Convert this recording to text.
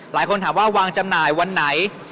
หลายคนถามว่าวางจำหน่ายวันไหน